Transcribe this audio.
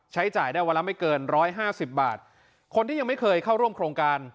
ใช้จ่ายได้วันละไม่เกินร้อยห้าสิบบาทคนที่ยังไม่เคยเข้าร่วมโครงการ